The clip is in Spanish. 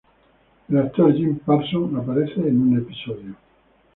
El actor Jim Parsons aparece en un episodio.